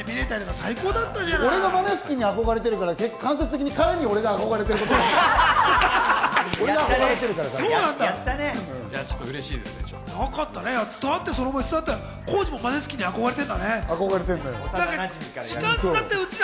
俺がマネスキンに憧れてるから、間接的に彼が俺が憧れてる、俺が彼に憧れてるから。